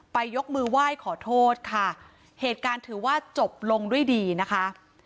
ยกมือไหว้ขอโทษค่ะเหตุการณ์ถือว่าจบลงด้วยดีนะคะ